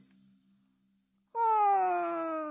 うん。